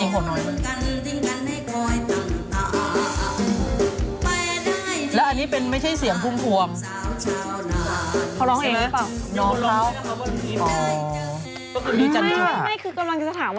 ก็มาให้โชคให้นะ